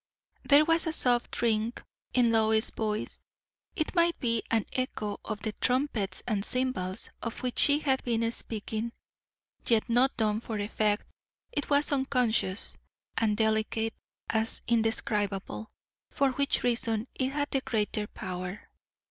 There was a soft ring in Lois's voice; it might be an echo of the trumpets and cymbals of which she had been speaking. Yet not done for effect; it was unconscious, and delicate as indescribable, for which reason it had the greater power.